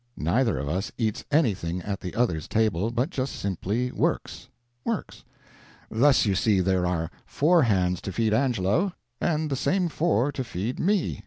Neither of us eats anything at the other's table, but just simply works works. Thus, you see there are four hands to feed Angelo, and the same four to feed me.